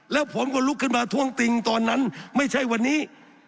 แล้วผมก็ลุกขึ้นมาท้วงติงตอนนั้นไม่ใช่วันนี้